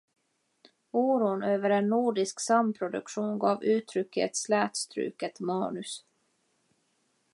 Oron över en nordisk samproduktion gav uttryck i ett slätstruket manus.